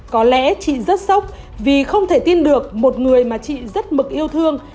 có lẽ chị rất sốc vì không thể tin được một người mà chị rất mực yêu thương